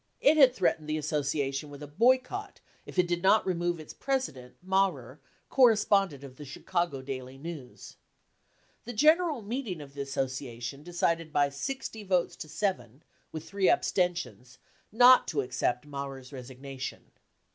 It had threatened the Association with a boycott if it did not remove its presi dent, Mawrer, correspondent of the Chicago Daily News . The general ^neeting of the Association decided by 60 votes to 7, with three abstentions, not to accept Mawrer 5 s resigna ti&n.